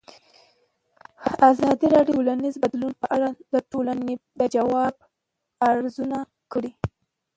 ازادي راډیو د ټولنیز بدلون په اړه د ټولنې د ځواب ارزونه کړې.